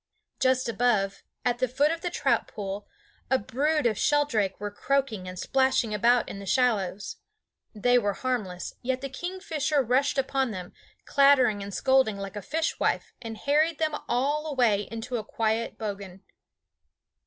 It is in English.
Just above, at the foot of the trout pool, a brood of sheldrake were croaking and splashing about in the shallows. They were harmless, yet the kingfisher rushed upon them, clattering and scolding like a fishwife, and harried them all away into a quiet bogan.